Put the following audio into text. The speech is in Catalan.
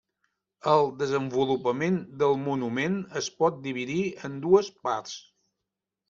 El desenvolupament del monument es pot dividir en dues parts.